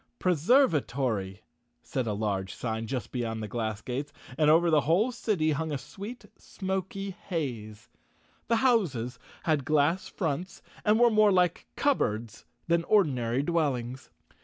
" Preservatory," said a large sign just beyond the glass gates, and over the whole city hung a sweet, smoky haze. The houses had glass fronts and were more like cupboards than ordinary dwellings.